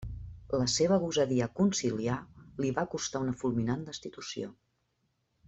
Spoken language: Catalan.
La seva gosadia conciliar li va costar una fulminant destitució.